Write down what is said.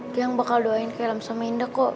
jilang bakal doain kak ilham sama indah kok